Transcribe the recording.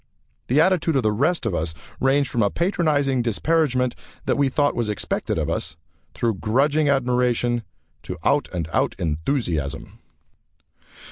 The attitude of the rest of us ranged from a patronizing disparagement that we thought was expected of us, through grudging admiration, to out and out enthusiasm.